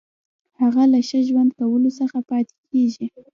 هغه له ښه ژوند کولو څخه پاتې کیږي.